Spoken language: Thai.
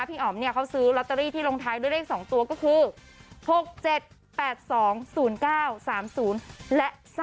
พี่อ๋อมเค้าซื้อลวตเตอรี่ที่ลงท้ายด้วยเลข๒ตัวก็คือ